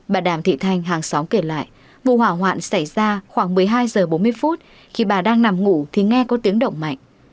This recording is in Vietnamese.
bà đàm thị thanh hàng xóm kể lại vụ hỏa hoạn xảy ra khoảng một mươi hai h bốn mươi phút khi bà đang nằm ngủ thì nghe có tiếng động mạnh